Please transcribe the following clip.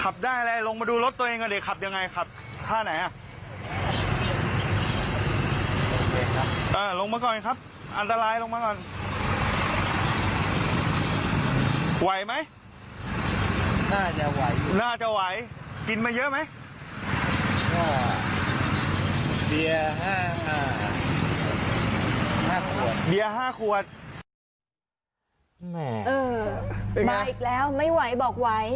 ไม่เป็นไรผมขับได้